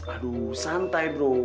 aduh santai bro